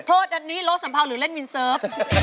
โทษอันนี้โล้สัมเภาหรือเล่นมินเซิร์ฟ